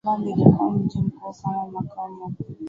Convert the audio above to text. Peterburg ilikuwa mji mkuu kama makao makuu